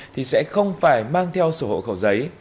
thì sẽ không phải mang theo sổ hộ khẩu giấy